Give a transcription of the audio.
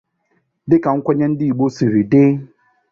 Dịka nkwenye ndịigbo siri dị